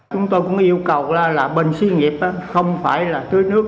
chúng tôi cũng yêu cầu là bệnh suy nghiệp không phải là tưới nước